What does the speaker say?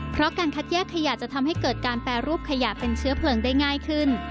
เพราะการคัดแยกขยะจะทำให้เกิดการแปรรูปขยะเป็นเชื้อเพลิงได้ง่ายขึ้น